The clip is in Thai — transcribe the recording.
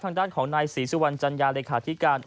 ทางด้านของนายศรีสุวรรณจัญญาเลขาธิการ